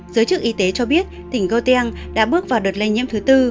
giới chức y tế cho biết tỉnh goldeng đã bước vào đợt lây nhiễm thứ tư